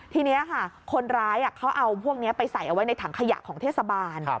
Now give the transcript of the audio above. ทีนี้ค่ะคนร้ายเขาเอาพวกนี้ไปใส่เอาไว้ในถังขยะของเทศบาล